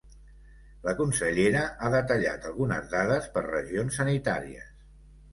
La consellera ha detallat algunes dades per regions sanitàries.